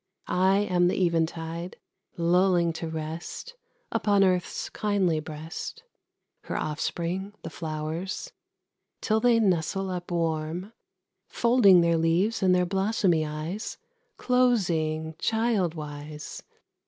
I am the eventide, lulling to rest, Upon Earth's kindly breast, Her offspring, the flowers, till they nestle up warm, Folding their leaves and their blossomy eyes Closing, child wise.